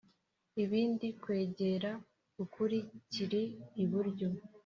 Ibindi kwegera ukuri kiri iburyo